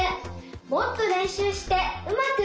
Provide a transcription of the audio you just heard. もっとれんしゅうしてうまくなりたい！